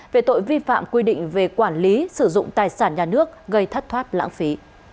về tội vi phạm quy định về quản lý sử dụng tài sản nhà nước gây thất thoát lãng phí